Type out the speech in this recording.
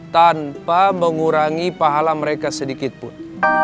tanpa mengurangi pahala mereka sedikitpun